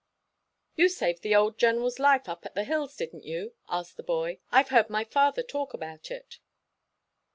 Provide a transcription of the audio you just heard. You saved the old General's life up at the hills, didn't you?" asked the boy. "I've heard my father talk about it."